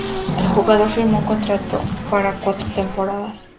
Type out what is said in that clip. El jugador firmó un contrato para cuatro temporadas.